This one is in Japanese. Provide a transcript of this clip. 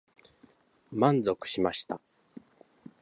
満足しました。